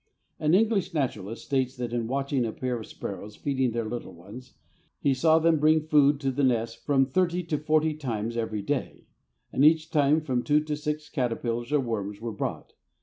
An English naturalist states that in watching a pair of sparrows feeding their little ones, he saw them bring food to the nest from thirty to forty times every day, and each time from two to six caterpillars or worms were brought.